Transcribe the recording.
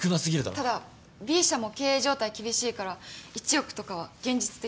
ただＢ社も経営状態厳しいから１億とかは現実的じゃないと思う。